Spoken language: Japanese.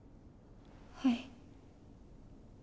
はい。